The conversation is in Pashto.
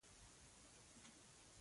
بېنډۍ د بڼوال اقتصاد قوي کوي